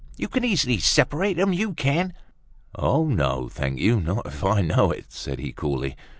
You can easily separate them, you can!" "Oh, no! thank you, not if I know it," said he coolly.